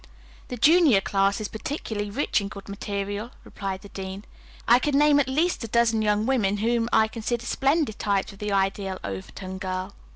"The junior class is particularly rich in good material," replied the dean. "I could name at least a dozen young women whom I consider splendid types of the ideal Overton girl."